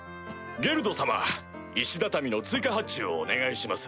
ゲルド様石畳の追加発注をお願いします。